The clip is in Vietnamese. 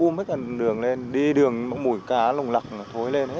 mùi cá lùng lặc nó thối lên hết